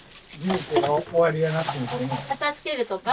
片づけるとか？